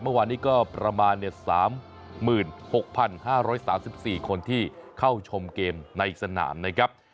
เมื่อวานนี้ก็ประมาณ๓๖๕๓๔คนที่เข้าชมเกมในสนามนะครับ